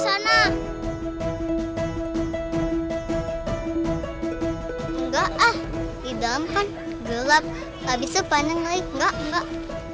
enggak ah di dalam kan gelap tapi sepanjangnya enggak enggak